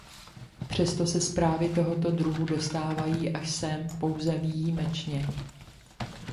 Přesto se zprávy tohoto druhu dostávají až sem pouze výjimečně.